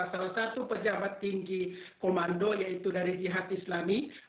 salah satu pejabat tinggi komando yaitu dari jihad islami